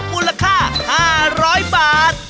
มูลค่า๕๐๐บาท